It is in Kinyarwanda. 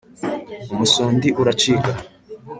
umusundi uracika